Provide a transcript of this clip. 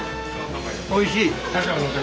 おいしい。